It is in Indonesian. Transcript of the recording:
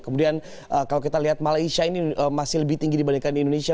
kemudian kalau kita lihat malaysia ini masih lebih tinggi dibandingkan di indonesia